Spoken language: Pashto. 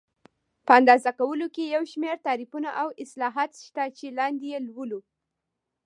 په اندازه کولو کې یو شمېر تعریفونه او اصلاحات شته چې لاندې یې لولو.